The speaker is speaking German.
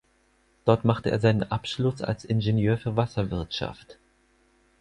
Dort machte er seinen Abschluss als Ingenieur für Wasserwirtschaft.